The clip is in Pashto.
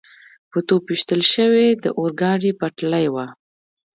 په توپ ویشتل شوې د اورګاډي پټلۍ وه.